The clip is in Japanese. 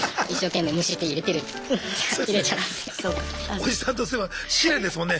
おじさんとすれば試練ですもんね。